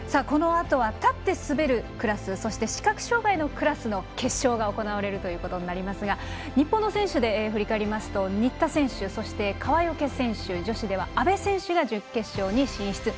このあとは立って滑るクラスそして視覚障がいのクラスの決勝が行われることになりますが日本の選手で振り返りますと新田選手、そして川除選手女子では阿部選手が準決勝に進出。